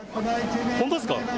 本当ですか。